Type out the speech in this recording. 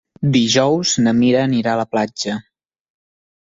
Dijous na Mira anirà a la platja.